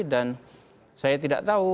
dan saya tidak tahu